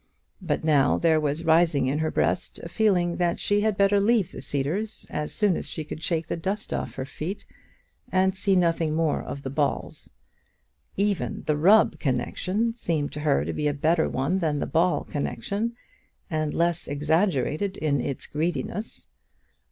But now there was rising in her breast a feeling that she had better leave the Cedars as soon as she could shake the dust off her feet, and see nothing more of the Balls. Even the Rubb connection seemed to her to be better than the Ball connection, and less exaggerated in its greediness.